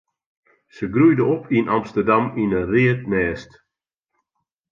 Se groeide op yn Amsterdam yn in read nêst.